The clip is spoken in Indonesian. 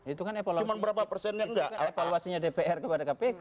itu kan evaluasinya dpr kepada kpk